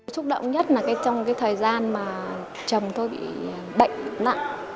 xúc động nhất là trong thời gian mà chồng tôi bị bệnh